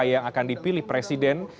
yang akan dipilih presiden